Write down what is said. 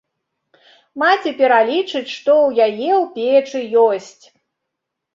Маці пералічыць, што ў яе ў печы ёсць.